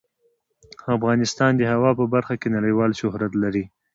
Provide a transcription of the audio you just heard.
افغانستان د هوا په برخه کې نړیوال شهرت لري.